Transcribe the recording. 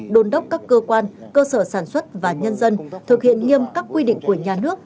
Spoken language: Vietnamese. đồn đốc các cơ quan cơ sở sản xuất và nhân dân thực hiện nghiêm các quy định của nhà nước